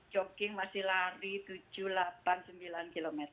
jogging masih lari tujuh puluh delapan sembilan km